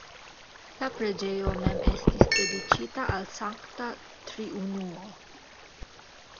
La preĝejo mem estis dediĉita al Sankta Triunuo.